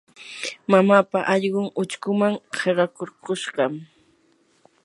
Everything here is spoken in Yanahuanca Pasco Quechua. mamaapa allqun uchkuman qiqakurkushqam.